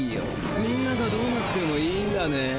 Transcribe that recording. みんながどうなってもいいんだね？